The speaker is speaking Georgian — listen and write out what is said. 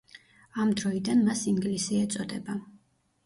ამ დროიდან მას ინგლისი ეწოდება.